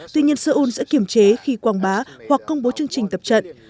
tuy nhiên seoul sẽ kiểm chế khi quảng bá hoặc công bố chương trình tập trận